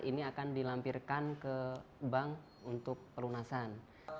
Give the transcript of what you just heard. ini akan dilampirkan ke bank untuk pelunasan